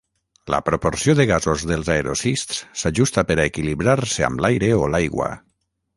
La proporció de gasos dels aerocists s'ajusta per a equilibrar-se amb l'aire o l'aigua.